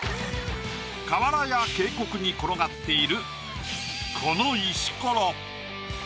川原や渓谷に転がっているこの石ころ。